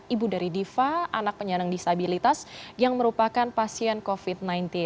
ibu dari diva anak penyandang disabilitas yang merupakan pasien covid sembilan belas